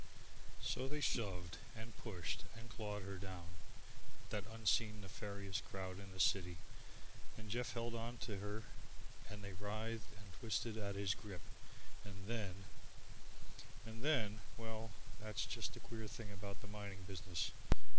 So they shoved and pushed and clawed her down that unseen nefarious crowd in the city and Jeff held on to her and they writhed and twisted at his grip, and then And then well, that's just the queer thing about the mining business.